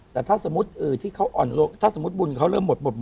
แต่ถ้าสมมุติที่เขาอ่อนลงถ้าสมมุติบุญเขาเริ่มหมด